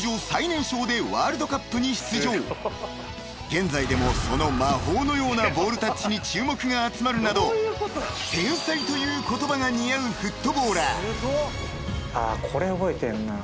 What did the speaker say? ［現在でもその魔法のようなボールタッチに注目が集まるなど天才という言葉が似合うフットボーラー］